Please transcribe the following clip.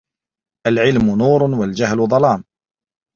العلم نور والجهل ظلام